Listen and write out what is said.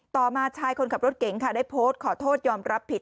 มาชายคนขับรถเก๋งค่ะได้โพสต์ขอโทษยอมรับผิด